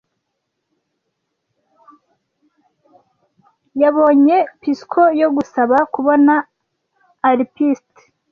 yabonye psycho yo gusaba kubona aripist,